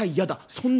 「そんな！？」。